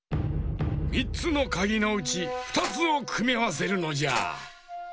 ３つのかぎのうち２つをくみあわせるのじゃ。